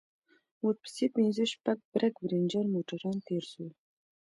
ورپسې پنځه شپږ برگ رېنجر موټران تېر سول.